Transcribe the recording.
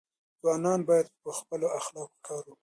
ځوانان باید په خپلو اخلاقو کار وکړي.